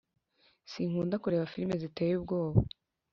Sinkunda kureba firime ziteye ubwoba